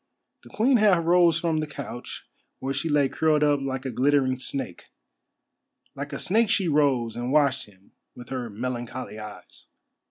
The Queen half rose from the couch where she lay curled up like a glittering snake. Like a snake she rose and watched him with her melancholy eyes.